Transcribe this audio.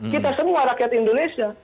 kita semua rakyat indonesia